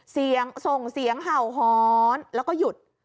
ส่งเสียงเห่าหอนแล้วก็หยุด